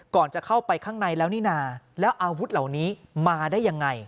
ก่อนจะเข้าไปข้างในแล้วนี่นาแล้วอาวุธเหล่านี้มาได้ยังไง